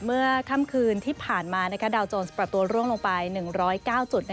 เมื่อค่ำคืนที่ผ่านมาดาวโจรปรับตัวร่วงลงไป๑๐๙จุด